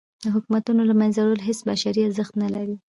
د حکومتونو له منځه وړل هیڅ بشري ارزښت نه لري.